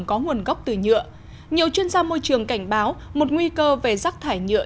có nguồn gốc từ nhựa nhiều chuyên gia môi trường cảnh báo một nguy cơ về rác thải nhựa